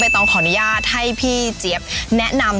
ต้องขออนุญาตให้พี่เจี๊ยบแนะนำ